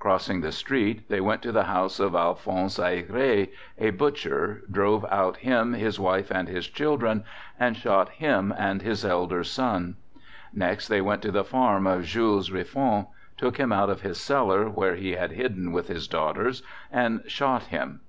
Crossing the street, they went to the house of Alphonse Aigret, a butcher, drove out him, his wife and his children, and shot him and his elder son. Next they went to the farm of Jules Rifon, took him out of his cellar, where he had hidden with his daughters, and shot him.